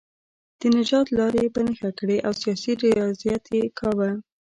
د نجات لارې یې په نښه کړې او سیاسي ریاضت یې کاوه.